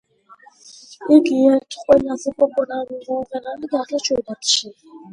იგი ერთ-ერთი ყველაზე პოპულარული მომღერალი გახდა შვედეთში.